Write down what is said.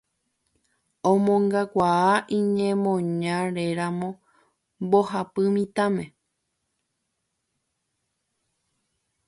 omongakuaa iñemoñaréramo mbohapy mitãme